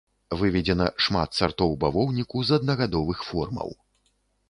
Выведзена шмат сартоў бавоўніку з аднагадовых формаў.